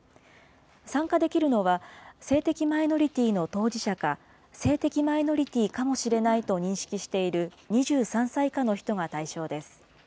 参加できるのは、性的マイノリティーの当事者か、性的マイノリティーかもしれないと認識している２３歳以下の人が対象です。